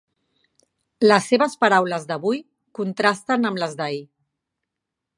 Les seves paraules d'avui contrasten amb les d'ahir.